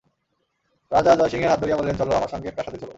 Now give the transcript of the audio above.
রাজা জয়সিংহের হাত ধরিয়া বলিলেন, চলো, আমার সঙ্গে প্রাসাদে চলো।